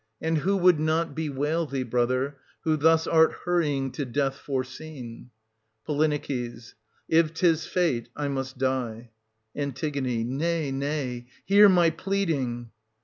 [1440— 1469 1440 And who would not bewail thee, brother, who thus art hurrying to death foreseen ? Po. If 'tis fate, I must die. An. Nay, nay, — hear my pleading